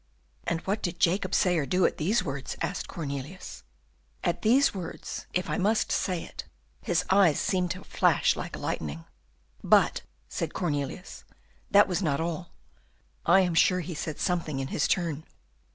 "And what did Jacob say or do at these words?" asked Cornelius. "At these words, if I must say it, his eyes seemed to flash like lightning." "But," said Cornelius, "that was not all; I am sure he said something in his turn."